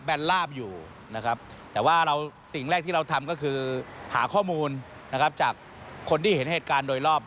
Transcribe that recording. ลาบอยู่นะครับแต่ว่าเราสิ่งแรกที่เราทำก็คือหาข้อมูลนะครับจากคนที่เห็นเหตุการณ์โดยรอบ